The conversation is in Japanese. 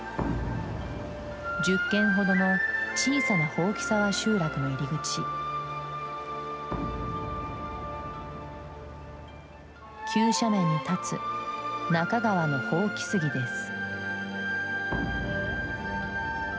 １０軒ほどの小さな箒沢集落の入り口急斜面に立つ、中川の箒杉です。